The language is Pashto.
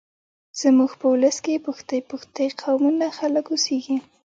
زموږ په ولس کې پښتۍ پښتۍ قومونه خلک اوسېږيږ